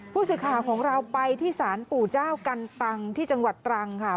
ผู้สื่อข่าวของเราไปที่ศาลปู่เจ้ากันตังที่จังหวัดตรังค่ะ